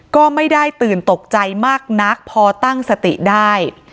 ก็ไม่ได้ตื่นตกใจมากนักพอตั้งสติได้